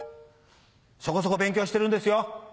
そこそこ勉強してるんですよ。